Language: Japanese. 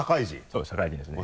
そうです社会人ですね。